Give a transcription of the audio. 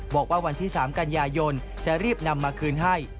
วันที่๓กันยายนจะรีบนำมาคืนให้